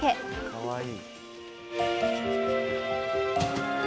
かわいい！